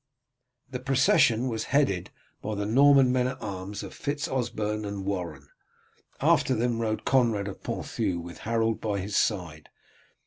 The procession was headed by the Norman men at arms of Fitz Osberne and Warren. After them rode Conrad of Ponthieu with Harold by his side.